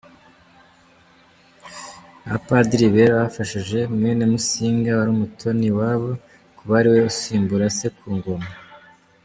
Abapadiri bera bafashije mwene Musinga wari umutoni iwabo kuba ariwe usimbura se ku Ngoma.